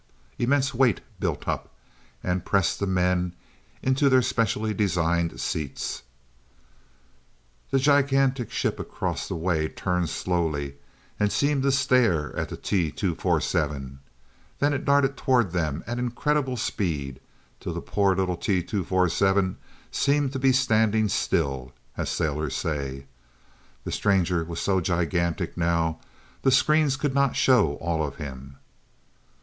Immense "weight" built up, and pressed the men into their specially designed seats The gigantic ship across the way turned slowly, and seemed to stare at the T 247. Then it darted toward them at incredible speed till the poor little T 247 seemed to be standing still, as sailors say. The stranger was so gigantic now, the screens could not show all of him.